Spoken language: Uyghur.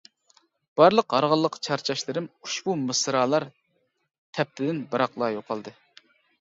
بارلىق ھارغىنلىق، چارچاشلىرىم ئۇشبۇ مىسرالار تەپتىدىن بىراقلا يوقالدى.